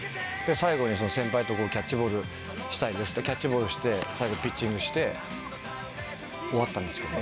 最後に先輩とキャッチボールしたいですってキャッチボールして最後ピッチングして終わったんですけど。